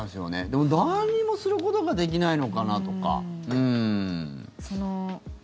でも、何もすることができないのかなとか。